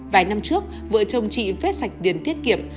vài năm trước vợ chồng chị viết sạch tiền tiết kiệm